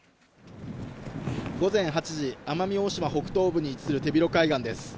午前８時、奄美大島北東部に位置する手広海岸です。